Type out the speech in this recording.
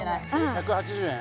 １８０円？